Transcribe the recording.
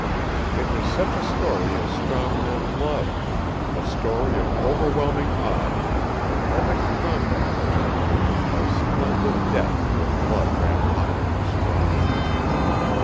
It was such a story as strong men love; a story of overwhelming odds, of epic combat, of splendid death where blood ran hot and strong....